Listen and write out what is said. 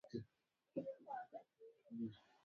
دا کار په ټولنه کې د موجودو کارونو یوه برخه ده